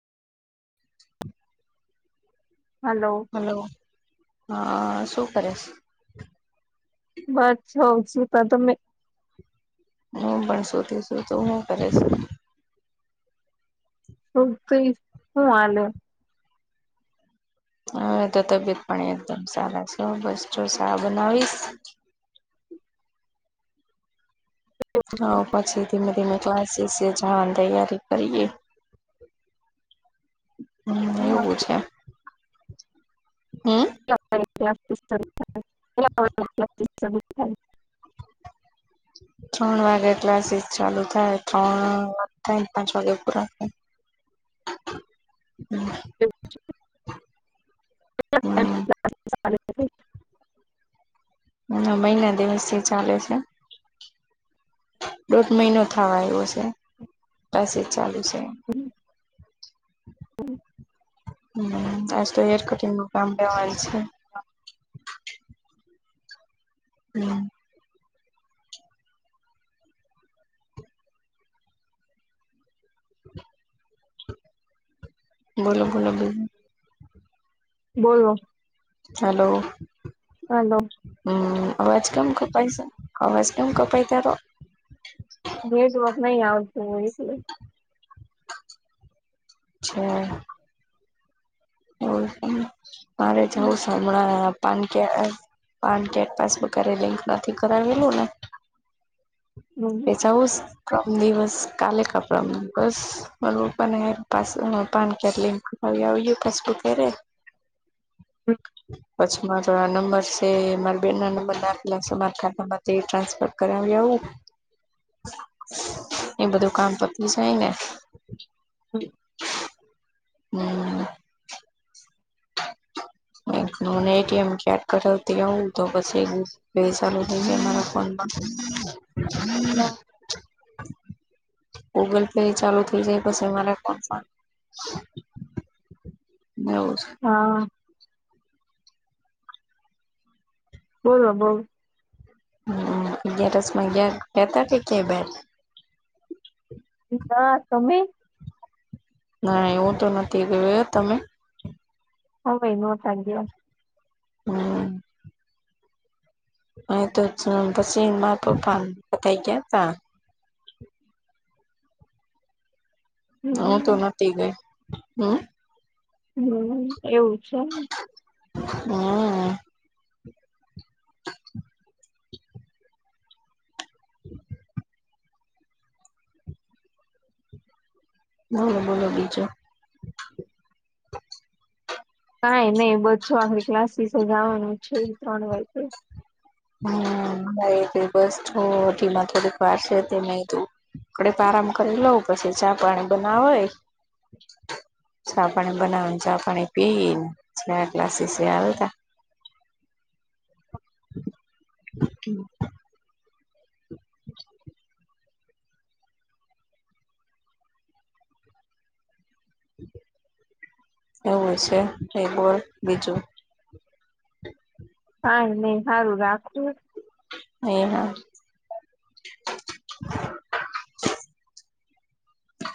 Hello હ શું કરેશે? બસ હઉછ ત તમે- હું પણ શોતીશું તો હું કરે છું? તો તો હું આલે- હા તો તબિયત પણ એકદમ સારા છે બસ જો સા બનાવીશ- હા [unintelligible] હ પછી ધીમે ધીમે તોલાસી સ જવાની તૈયારી કરીએ- હમ એવું છે હમ ક્લાલા વિ [unintelligible] ત્રણ વાગે ક્લાસીસ ચાલુ થાય ત્રણ થાયને પાંચ વાગે પૂરા થાય. હમ હમ [unintelligible] હ મહિના દિવસ થી ચાલે છે. દોઢ મહિનો થવા આવ્યો છે પસે ચાલુ છે. હમ- [unintelligible] [inaudible] હમ- હ આજ તો એર કટીનનું કામડાવા છે. હમ [unintelligible] બોલો બોલો બો? બોલો- હલો- હાલો. હમ અવાજ કેમ કપાય છે અવાજ કેમ કપાય તારો નેટવર્ક નહી આવતું હું એટલે અ છેા. એવ પણ મારે જવું હમળા પાન પાન કાર્ડ પાસબુક્યારે લિંક નથી કરાવેલું ને હમ જેવુછ મ દિવસ કાલે કપડા બસ મ્પાને પા પાન કે-' હવે ય ફેસબુક ર પછી મારો નંબર છે મારા બેન ના નંબર ના આપેલા છે મારા ખાતામાં તે ટ્રાન્સફર કરાવી આવું. એ બધું કામ પત જય ને હમ એટીએમ કેડ કરાવતી હું તો બસ એ બે ચાલુ થઈ અરા ફોન ના ગૂગલ પે ચાલુ થઇ જાય પછી મારા ફોનમા એવું છે. હા બોલો બોલ હમ અગિયારસમાંગ કેતા કે કે બેર હા સમમી ના એવું તો નથી ગયું તમે અમે નતા ગે હમ અ તો પછી મા પઈ ગયા તા હ તો નથી ગઈ હમ હમ એવું છે. હમ બલો બલો બીજો કઈ નહી બો આખરે ક્લાસ વિસે જવાનું છે ત્રણ વાગ્યે હમટીીમાં થોડીક વાર છે તે ન તું ડીપ આરામ કરી લઉ પછી ચા પાણી બનાવેય ચા પાણી બનાવને ચા પાણી પીને ચ ગ્લાસીસ આવતા હમ એવું છે એકબલ બીજું હા નહ સારું રાખું એ હા